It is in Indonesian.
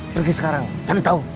pergi sekarang cari tahu